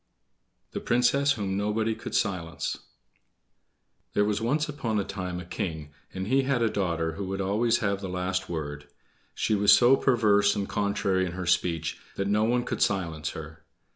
The Princess Whom Nobody Could Silence There was once upon a time a king, and he had a daughter who would always have the last word; she was so perverse and contrary in her speech that no one could silence her.